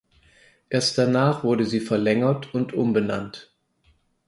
Erst danach wurde sie verlängert und umbenannt.